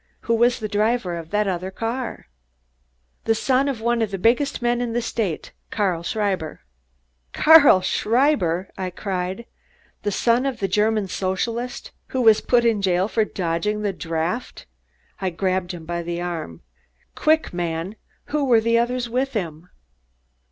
Who was the driver of that other car?" "The son of one of the biggest men in the state, Karl Schreiber." "Karl Schreiber?" I cried. "The son of the German Socialist, who was put in jail for dodging the draft?" I grabbed him by the arm. "Quick, man! Who were the others with him?"